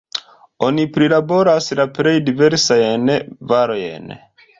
Ono prilaboras la plej diversajn varojn.